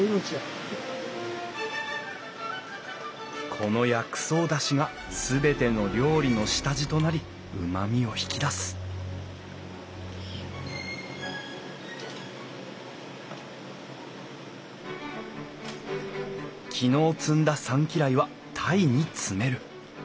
この薬草だしが全ての料理の下地となりうまみを引き出す昨日摘んだサンキライは鯛に詰める。